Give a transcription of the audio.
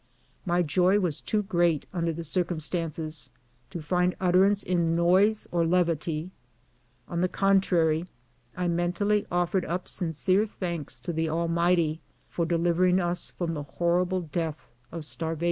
My joy was too great, under the circumstances, to find utterancg in noise or lev ity ; on the contrary, I mentally offered up sincere thanks to the Almighty for delivering us from the horrible death of starvation.